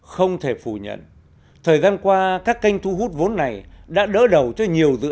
không thể phủ nhận thời gian qua các kênh thu hút vốn này đã đỡ đầu cho nhiều dự